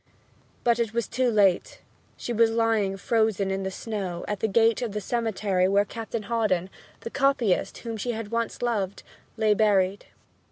But it was too late. She was lying frozen in the snow, at the gate of the cemetery where Captain Hawdon, the copyist whom she had once loved, lay buried.